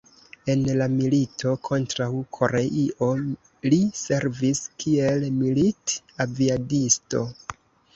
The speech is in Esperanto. En la milito kontraŭ Koreio li servis kiel milit-aviadisto.